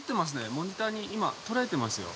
モニターに今捉えてますよ。